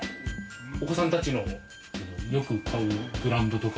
お子さんたちのよく買うブランドとか？